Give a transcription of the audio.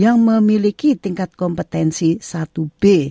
yang memiliki tingkat kompetensi satu b